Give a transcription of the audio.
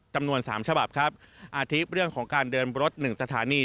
จำนวน๓ฉบับครับอาทิตย์เรื่องของการเดินรถ๑สถานี